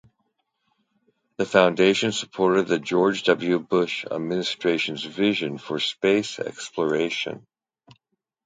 The Foundation supported the George W. Bush Administration's Vision for Space Exploration.